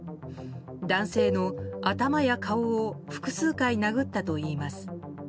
男性の頭や顔を複数回殴ったといいます。